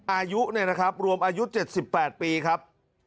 อายุเนี่ยนะครับรวมอายุ๗๘ปีครับ